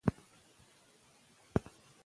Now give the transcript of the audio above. تعلیم یافته میندې د ماشومانو د بدن ساتنې اصول ښيي.